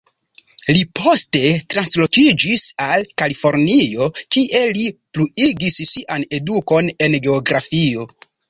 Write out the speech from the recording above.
Li poste translokiĝis al Kalifornio kie li pluigis sian edukon en geografio.